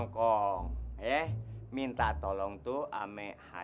hah tapi itukan orang deh